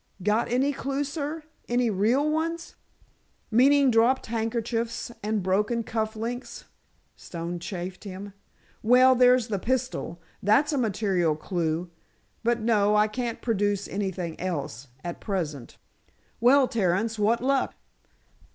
"Got any clue, sir? Any real ones?" "Meaning dropped handkerchiefs and broken cuff links?" Stone chaffed him. "Well, there's the pistol. That's a material clue. But, no, I can't produce anything else—at present. Well, Terence, what luck?"